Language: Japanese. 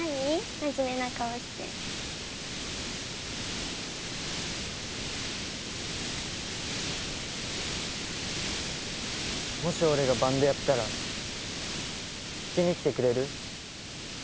真面目な顔してもし俺がバンドやったら聴きに来てくれる？